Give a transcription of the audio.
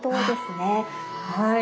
はい。